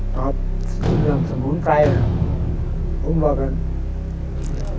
ตอบทั้งเรืองสมุนไกรผมลอกเนี้ย